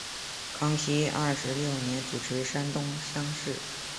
康熙二十六年主持山东乡试。